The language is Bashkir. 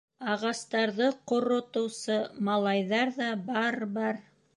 Ағастарҙы ҡор-ротоусы малайҙар ҙа барр, барр!..